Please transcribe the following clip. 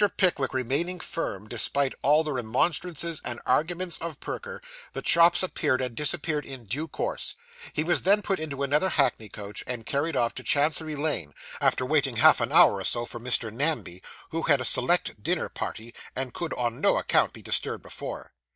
Pickwick remaining firm, despite all the remonstrances and arguments of Perker, the chops appeared and disappeared in due course; he was then put into another hackney coach, and carried off to Chancery Lane, after waiting half an hour or so for Mr. Namby, who had a select dinner party and could on no account be disturbed before.